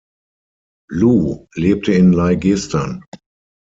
Luh lebte in Leihgestern.